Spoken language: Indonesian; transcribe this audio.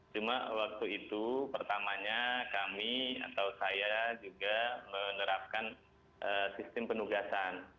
cuma waktu itu pertamanya kami atau saya juga menerapkan sistem penugasan